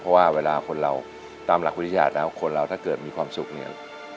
เพราะว่าเวลาคนเราตามหลักวิทยาศาสตร์แล้วคนเราถ้าเกิดมีความสุขเนี่ย